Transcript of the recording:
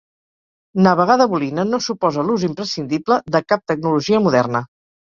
Navegar de bolina no suposa l'ús imprescindible de cap tecnologia moderna.